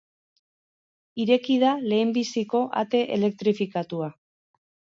Ireki da lehenbiziko ate elektrifikatua.